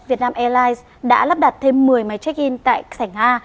việt nam airlines đã lắp đặt thêm một mươi máy check in tại sảnh a